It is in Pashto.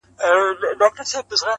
دا د زړه ورو مورچل مه ورانوی!.